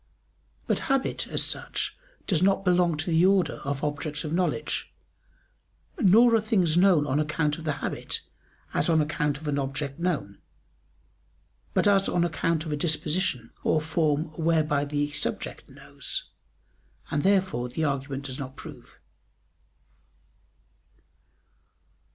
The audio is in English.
But habit as such does not belong to the order of objects of knowledge; nor are things known on account of the habit, as on account of an object known, but as on account of a disposition or form whereby the subject knows: and therefore the argument does not prove.